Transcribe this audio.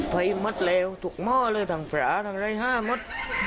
ไปหมดแล้วถูกหม้อเลยทางฝราทางอะไรฮะหมด